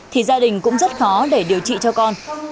thì gia đình cũng rất khó để điều trị cho con